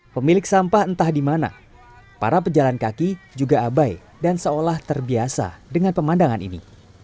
pemilik sampah entah di mana para pejalan kaki juga abai dan seolah terbiasa dengan pemandangan ini